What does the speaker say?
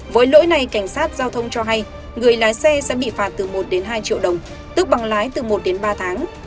với lỗi này cảnh sát giao thông cho hay người lái xe sẽ bị phạt từ một đến hai triệu đồng tức bằng lái từ một đến ba tháng